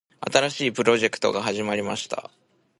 新しいプロジェクトが始まりました。